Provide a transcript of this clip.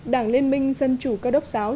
đảng liên minh dân chủ cao đốc giáo